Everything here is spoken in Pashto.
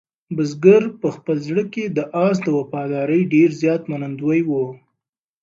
بزګر په خپل زړه کې د آس د وفادارۍ ډېر زیات منندوی و.